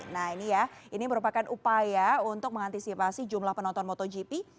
nah ini ya ini merupakan upaya untuk mengantisipasi jumlah penonton motogp